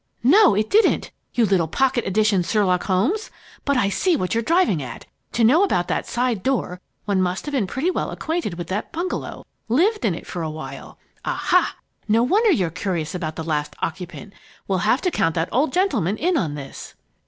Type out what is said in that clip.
"No, it didn't, you little pocket edition Sherlock Holmes! But I see what you're driving at. To know about that side door, one must have been pretty well acquainted with that bungalow lived in it for a while! Aha! No wonder you're curious about the last occupant. We'll have to count that old gentleman in on this!"